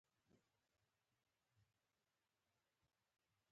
ډیموکراسي د جنګسالارانو د کور مېنځه بولي.